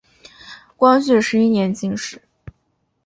光绪十一年进士。